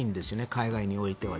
海外においては。